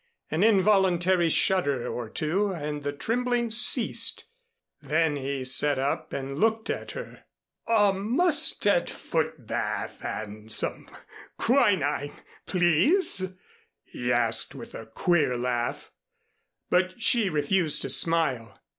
An involuntary shudder or two and the trembling ceased. Then he sat up and looked at her. "A mustard foot bath and some quinine, please," he asked with a queer laugh. But she refused to smile.